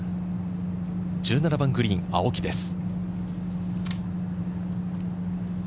１７番グリーン、青木です。